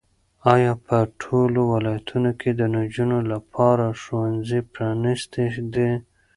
ایا په ټولو ولایتونو کې د نجونو لپاره ښوونځي پرانیستي دي؟